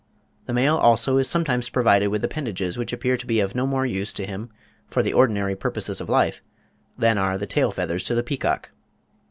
The male, also, is sometimes provided with appendages which appear to be of no more use to him for the ordinary purposes of life, than are the tail feathers to the peacock.